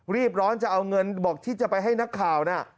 รีบร้อนจะเอาเงินบอกที่จะไปให้นักข่าวน่ะ